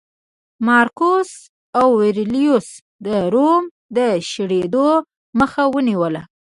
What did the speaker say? مارکوس اورلیوس د روم د شړېدو مخه ونیوله